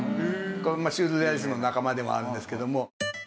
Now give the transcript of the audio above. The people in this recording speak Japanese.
シュルレアリスムの仲間でもあるんですけども。